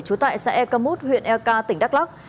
trú tại xã ekeli huyện eka tỉnh đắk lắc